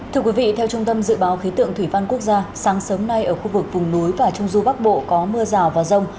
thưa quý vị theo trung tâm dự báo khí tượng thủy văn quốc gia sáng sớm nay ở khu vực vùng núi và trung du bắc bộ có mưa rào và rông